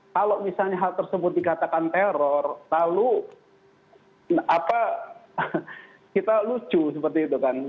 kalau misalnya hal tersebut dikatakan teror lalu kita lucu seperti itu kan